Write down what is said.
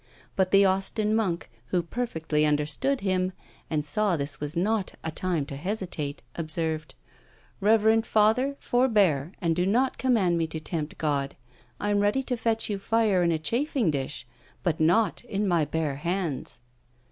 But the Austin monk, who perfectly understood him, and saw this was not a time to hesitate, observed, "Reverend father, forbear, and do not command me to tempt God! I am ready to fetch you fire in a chafing dish, but not in my bare hands."